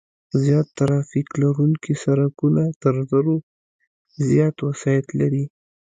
زیات ترافیک لرونکي سرکونه تر زرو زیات وسایط لري